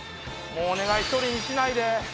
お願い１人にしないで！